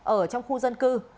ở trong khu dân cư